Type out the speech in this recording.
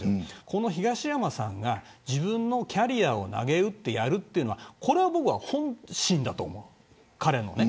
この東山さんが自分のキャリアを投げ打ってやるというのはこれは本心だと思う。